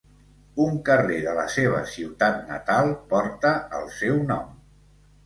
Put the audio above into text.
Un carrer de la seva ciutat natal porta el seu nom.